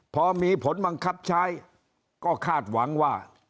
พอมีผลบังคับใช้ก็คาดหวังว่า